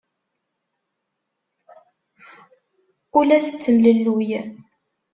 Ur la tettemlelluy.